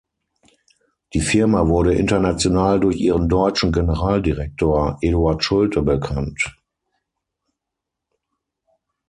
Die Firma wurde international durch ihren deutschen Generaldirektor Eduard Schulte bekannt.